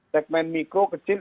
segmen mikro kecil